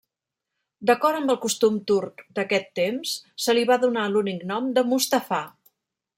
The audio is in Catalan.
D'acord amb el costum turc d'aquest temps, se li va donar l'únic nom de Mustafà.